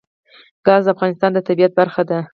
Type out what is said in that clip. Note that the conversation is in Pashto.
ګاز د افغانستان د طبیعت برخه ده.